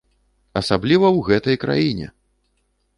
Асабліва ў гэтай краіне!